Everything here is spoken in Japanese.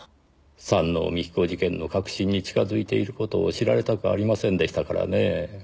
山王美紀子事件の核心に近づいている事を知られたくありませんでしたからねぇ。